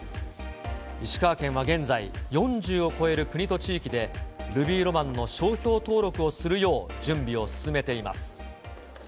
石川県は現在、４０を超える国と地域で、ルビーロマンの商標登録をするよう準備を進めています。